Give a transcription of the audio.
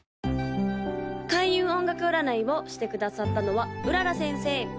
・開運音楽占いをしてくださったのは麗先生